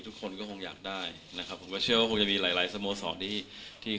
ทุกคนก็คงอยากได้นะครับผมก็เชื่อว่าคงจะมีหลายหลายสโมสรที่ที่